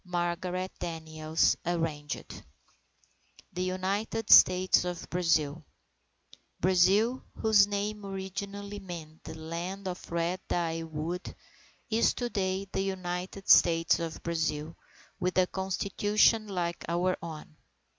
Margarette Daniels (Arranged) THE UNITED STATES OF BRAZIL Brazil, whose name originally meant the Land of Red Dye Wood, is to day, the United States of Brazil with a Constitution like our own.